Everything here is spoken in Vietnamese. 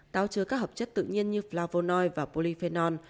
táo chứa các hợp chất tự nhiên như plavonoi và polyphenol